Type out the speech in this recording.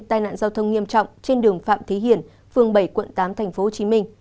tai nạn giao thông nghiêm trọng trên đường phạm thế hiển phường bảy quận tám tp hcm